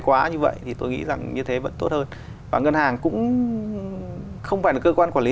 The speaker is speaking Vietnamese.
quá như vậy thì tôi nghĩ rằng như thế vẫn tốt hơn và ngân hàng cũng không phải là cơ quan quản lý